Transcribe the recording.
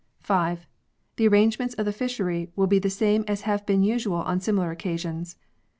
" 5. The arrangements of the fishery will be the same as have been usual on similar occasions.